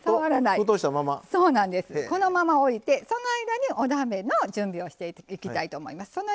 このまま置いて、その間にお鍋の準備をしていきたいと思います。